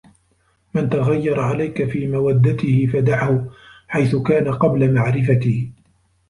مَنْ تَغَيَّرَ عَلَيْك فِي مَوَدَّتِهِ فَدَعْهُ حَيْثُ كَانَ قَبْلَ مَعْرِفَتِهِ